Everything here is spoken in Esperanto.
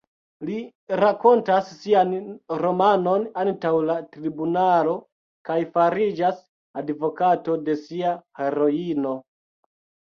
Li rakontas sian romanon antaŭ la tribunalo kaj fariĝas advokato de sia heroino...